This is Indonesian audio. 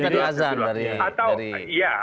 dari azan atau ya